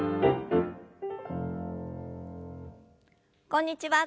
こんにちは。